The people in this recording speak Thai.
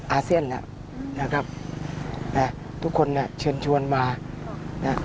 อาเซียนอ่ะนะครับอ่าทุกคนเนี่ยเชิญชวนมานะ